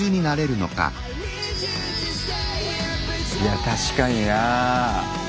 いや確かにな。